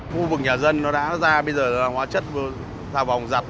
khu vực nhà dân nó đã ra bây giờ là hóa chất xào vòng giặt